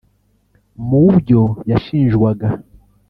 Mu byo yashinjwaga